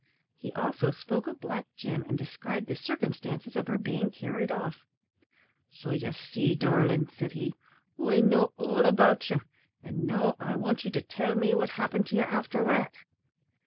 He also spoke of Black Jim, and described the circumstances of her being carried off. "So ye see, darlin'," said he, "I know all about ye; an' now I want ye to tell me what happened to ye after that."